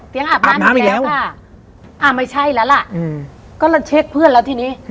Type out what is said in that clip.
เตี๋ยงอาบน้ำอีกแล้วอ้าวไม่ใช่แล้วล่ะก็ละเช็คเพื่อนแล้วทีนี้